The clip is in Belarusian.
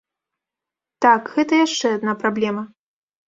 Так, гэта яшчэ адна праблема.